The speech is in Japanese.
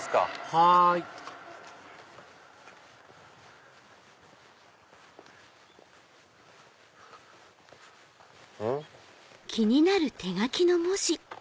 はいうん？